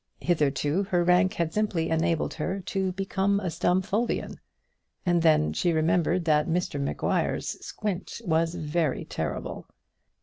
Hitherto her rank had simply enabled her to become a Stumfoldian; and then she remembered that Mr Maguire's squint was very terrible!